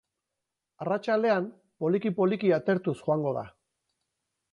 Arratsaldean, poliki-poliki atertuz joango da.